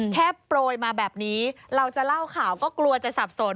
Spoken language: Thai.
โปรยมาแบบนี้เราจะเล่าข่าวก็กลัวจะสับสน